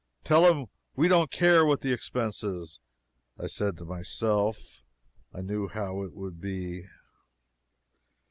tell him we don't care what the expense is!" [I said to myself, I knew how it would be.